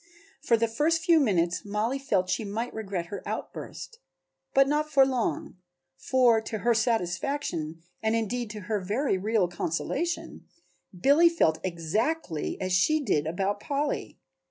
For the first few minutes Mollie felt she might regret her outburst, but not for long, for to her satisfaction and indeed to her very real consolation, Billy felt exactly as she did about Polly.